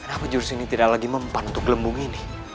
aku jurus ini tidak lagi mempan untuk gelembung ini